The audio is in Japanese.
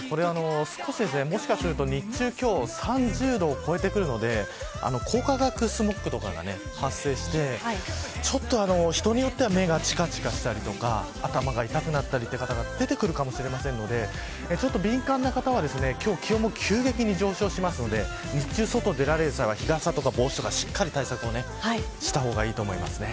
もしかすると日中は今日は３０度を超えているので光化学スモッグとかが発生して人によっては目がちかちかしたり頭が痛くなったりする方が出てくるかもしれませんので敏感な方は、今日は気温も急激に上昇するので日中に外に出る際は日傘や帽子をしっかり対策した方がいいです。